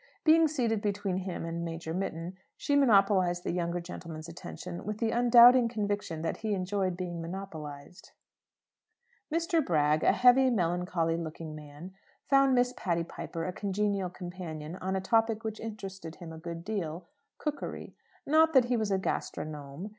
Being seated between him and Major Mitton, she monopolized the younger gentleman's attention with the undoubting conviction that he enjoyed being monopolized. Mr. Bragg, a heavy, melancholy looking man, found Miss Patty Piper a congenial companion on a topic which interested him a good deal cookery. Not that he was a gastronome.